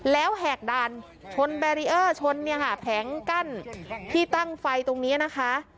แล้วแหกด่านชนแบรียอร์ชนแผงกั้นที่ตั้งไฟตรงนี้นะคะ